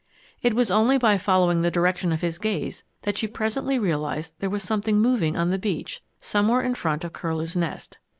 It was only by following the direction of his gaze that she presently realized there was something moving on the beach somewhere in front of Curlew's Nest.